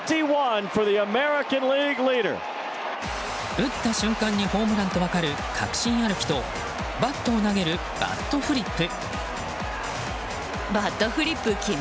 打った瞬間にホームランと分かる確信歩きとバットを投げるバットフリップ。